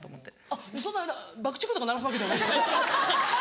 あっそんな爆竹とか鳴らすわけじゃ。